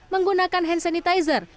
menggunakan hand sanitizer